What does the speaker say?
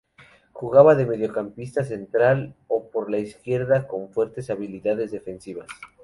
Jugaba de Mediocampista central o por izquierda con fuertes habilidades defensivas.